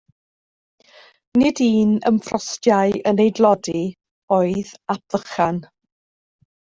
Nid un ymffrostiai yn ei dlodi oedd Ap Vychan.